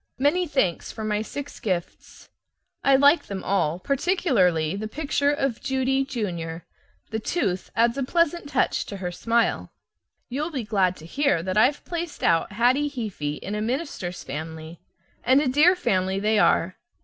Many thanks for my six gifts. I like them all, particularly the picture of Judy, junior; the tooth adds a pleasant touch to her smile. You'll be glad to hear that I've placed out Hattie Heaphy in a minister's family, and a dear family they are.